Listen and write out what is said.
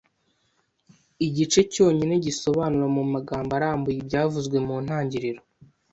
i gice cyonyine gisobanura mu mugambo arambuye ibyavuzwe mu ntangiriro